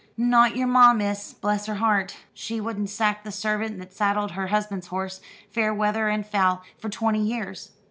"Not your ma, miss, bless her heart. She wouldn't sack the servant that saddled her husband's horse, fair weather and foul, for twenty years.